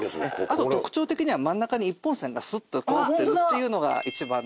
あと特徴的には真ん中に一本線がスッと通ってるっていうのが一番の。